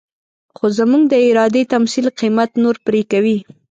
خو زموږ د ارادې تمثيل قيمت نور پرې کوي.